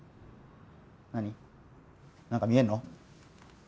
何何か見えんの？